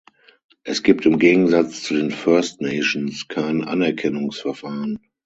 Es gibt im Gegensatz zu den First Nations kein Anerkennungsverfahren.